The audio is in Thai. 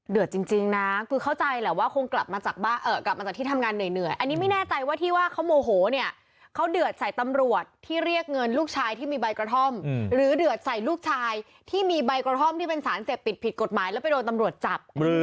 จริงนะคือเข้าใจแหละว่าคงกลับมาจากบ้านกลับมาจากที่ทำงานเหนื่อยอันนี้ไม่แน่ใจว่าที่ว่าเขาโมโหเนี่ยเขาเดือดใส่ตำรวจที่เรียกเงินลูกชายที่มีใบกระท่อมหรือเดือดใส่ลูกชายที่มีใบกระท่อมที่เป็นสารเสพติดผิดกฎหมายแล้วไปโดนตำรวจจับ